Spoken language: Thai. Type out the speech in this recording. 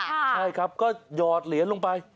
ใช่ครับก็หยอดเหรียญลงไป